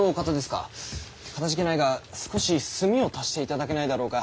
かたじけないが少し炭を足していただけないだろうか。